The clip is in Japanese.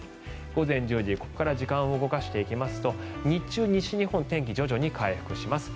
午前１０時、ここから時間を動かしていきますと日中、西日本、天気徐々に回復します。